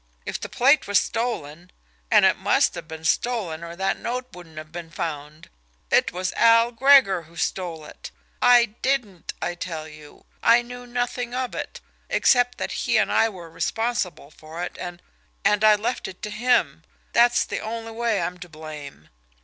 If the plate was stolen, and it must have been stolen, or that note wouldn't have been found, it was Al Gregor who stole it I didn't, I tell you! I knew nothing of it, except that he and I were responsible for it and and I left it to him that's the only way I'm to blame.